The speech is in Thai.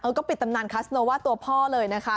ก็ปิดตำนานคัสโนว่าตัวพ่อเลยนะคะ